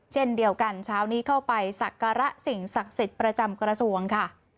เช่นเดียวกันเช้านี้เข้าไปสักการะสิ่งศักดิ์สิทธิ์ประจำกระทรวงค่ะ